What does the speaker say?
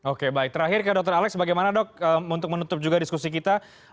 oke baik terakhir ke dr alex bagaimana dok untuk menutup juga diskusi kita